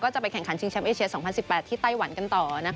จริงแชมป์เอเชียส๒๐๑๘ที่ไต้หวันกันต่อ